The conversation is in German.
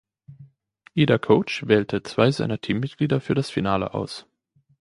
Jeder Coach wählte zwei seiner Teammitglieder für das Finale aus.